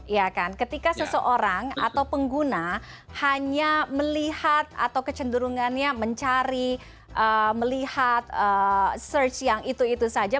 iya kan ketika seseorang atau pengguna hanya melihat atau kecenderungannya mencari melihat search yang itu itu saja